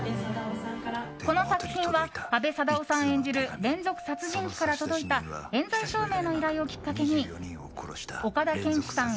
この作品は阿部サダヲさん演じるれ連続殺人鬼から届いた冤罪証明の依頼をきっかけに岡田健史さん